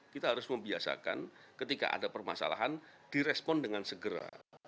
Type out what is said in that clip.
kita harus membiasakan ketika ada permasalahan direspon dengan segera